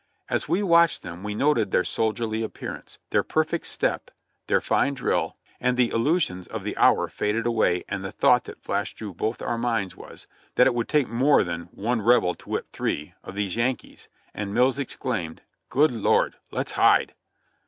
As we watched them we noted their soldierly appearance, their perfect step, their fine drill, and the illusions of the hour faded away and the thought that flashed through both our minds was, that it would take more than "one Rebel to whip three" of these Yan kees, and Mills exclaimed : "Good Lord ! Let's hide